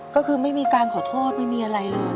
ก็คือไม่มีการขอโทษไม่มีอะไรเลย